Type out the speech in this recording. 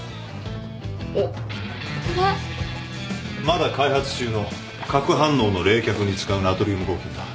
まだ開発中の核反応の冷却に使うナトリウム合金だ。